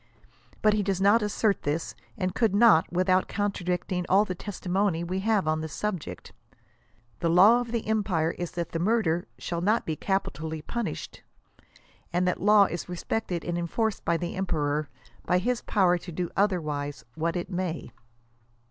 But he does not assert this, and could not without contradicting all the testimony we have (m the subject, The law of the empire is that murder shall not be capitally punished, and that law is respected and enforc ed by the emperor, be his power to do otherwise what it may.